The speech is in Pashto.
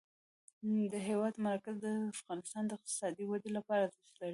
د هېواد مرکز د افغانستان د اقتصادي ودې لپاره ارزښت لري.